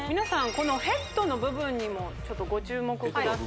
このヘッドの部分にもちょっとご注目ください